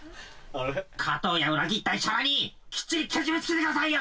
加藤や裏切った石原にきっちりケジメつけてくださいよ！